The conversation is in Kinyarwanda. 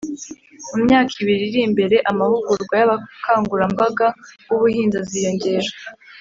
mu myaka ibiri iri mbere, amahugurwa y'abakangurambaga b'ubuhinzi aziyongera.